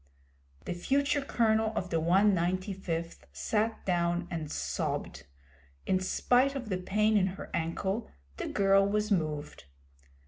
The future Colonel of the 195th sat down and sobbed. In spite of the pain in her ankle the girl was moved.